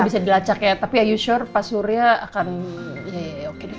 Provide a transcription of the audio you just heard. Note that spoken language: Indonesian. oh bisa dilacak ya tapi are you sure pas surya akan ya ya ya ya oke deh